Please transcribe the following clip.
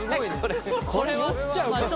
これは。